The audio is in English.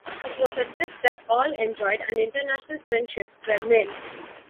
It was a trip that all enjoyed and international friendships were made.